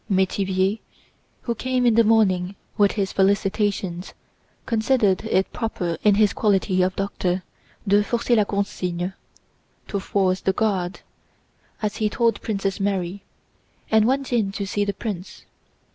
Métivier, who came in the morning with his felicitations, considered it proper in his quality of doctor de forcer la consigne, * as he told Princess Mary, and went in to see the prince.